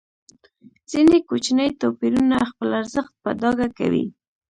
ځینې کوچني توپیرونه خپل ارزښت په ډاګه کوي.